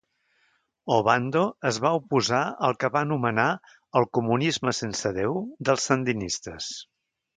Obando es va oposar al que va nomenar el "comunisme sense Déu" dels sandinistes.